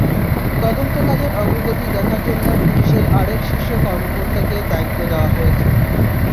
তদন্তকাজের অগ্রগতি দেখার জন্য পুলিশের আরেক শীর্ষ কর্মকর্তাকে দায়িত্ব দেওয়া হয়েছে।